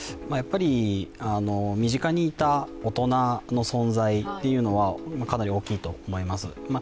身近にいた大人の存在というのはかなり大きいと思います。